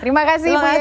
terima kasih bu yuti